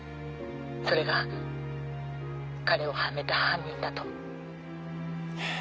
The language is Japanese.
それが彼をはめた犯人だと。